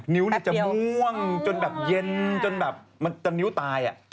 นิ้วจะม่วงจนแบบเย็นจนแบบมันจะนิ้วตาย